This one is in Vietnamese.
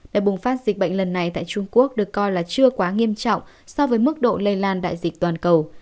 đại bùng phát dịch bệnh lần này tại trung quốc được coi là chưa quá nghiêm trọng so với mức độ lây lan đại dịch toàn cầu